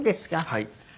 はい。